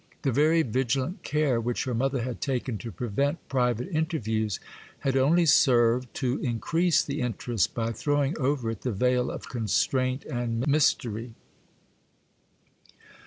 The very vigilant care which her mother had taken to prevent private interviews had only served to increase the interest by throwing over it the veil of constraint and mystery.